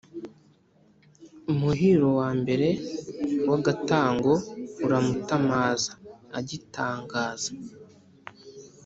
Umuhiro wa mbere w’agatango Uramutamaza agitangaza !